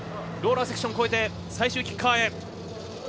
ローラーセクション越えて最終キッカーへ。